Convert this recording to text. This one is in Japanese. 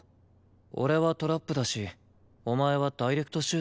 俺はトラップだしお前はダイレクトシュートだし。